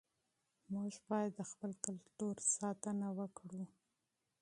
موږ باید د خپل کلتور ساتنه وکړو.